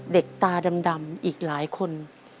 เด็กตาดำอีกหลายคน